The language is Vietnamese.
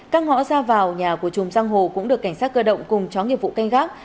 các ngõ ra vào nhà của chùm giang hồ cũng được cảnh sát cơ động cùng chó nghiệp vụ canh gác